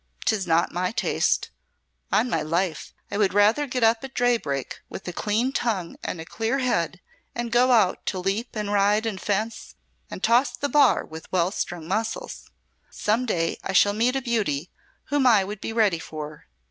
'Tis not my taste. On my life, I would rather get up at daybreak with a clean tongue and a clear head and go out to leap and ride and fence and toss the bar with well strung muscles. Some day I shall meet a beauty whom I would be ready for."